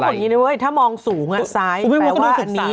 อย่างนี้นะเว้ยถ้ามองสูงซ้ายแปลว่าอันนี้